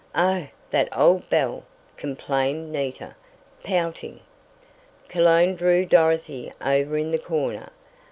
"Oh, that old bell!" complained Nita, pouting. Cologne drew Dorothy over in the corner.